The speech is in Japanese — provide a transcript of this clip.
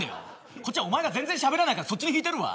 こっちはおまえが全然しゃべらないからそれに引いてるよ。